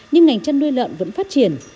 nhưng ngành chăn nuôi lợn vẫn phát triển